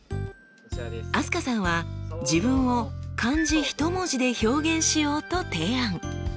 飛鳥さんは自分を漢字ひと文字で表現しようと提案。